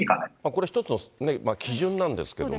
これ、一つの基準なんですけども。